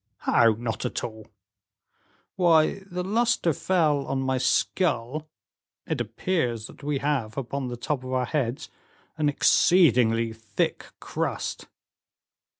"How, 'not at all?'" "Why, the luster fell on my skull. It appears that we have upon the top of our heads an exceedingly thick crust."